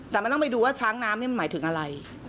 แต่มันต้องไปดูว่าช้างน้ำนี่หมายถึงอะไร